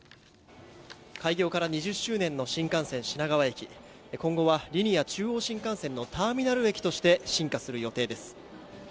開業から２０周年の新幹線・品川駅今後はリニア中央新幹線のターミナル駅として進化する予定です。